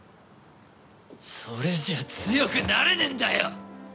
それじゃ強くなれねえんだよ！